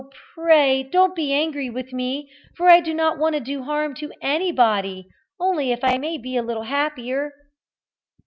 pray don't be angry with me, for I do not want to do any harm to anybody, only if I may be a little happier!"